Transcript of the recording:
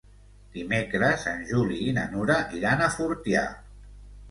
Dimecres en Juli i na Nura iran a Fortià.